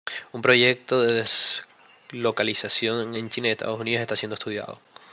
Un proyecto de deslocalización en China y lo Estados Unidos está siendo estudiado.